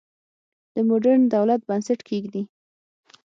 د موډرن دولت بنسټ کېږدي.